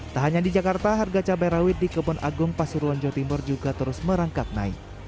tak hanya di jakarta harga cabai rawit di kebon agung pasuruan jawa timur juga terus merangkak naik